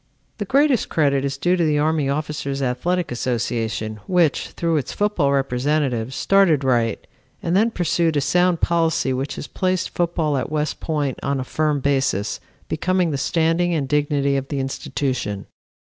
"The greatest credit is due to the Army Officers Athletic Association, which, through its football representatives, started right and then pursued a sound policy which has placed football at West Point on a firm basis, becoming the standing and dignity of the institution.